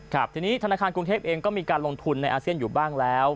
ครับทีนี้ธนาคารกรุงเทพเองก็มีการลงทุนในอาเซียนอยู่บ้างแล้ว